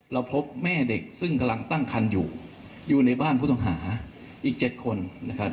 เราพบแม่เด็กซึ่งกำลังตั้งคันอยู่อยู่ในบ้านผู้ต้องหาอีก๗คนนะครับ